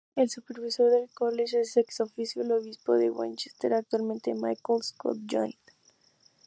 El supervisor del "college" es "ex officio" el obispo de Winchester, actualmente Michael Scott-Joynt.